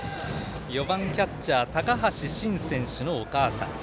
４番、キャッチャー高橋慎選手のお母さん。